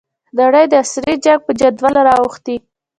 نړۍ د عصري جنګ په جدل رااوښتې.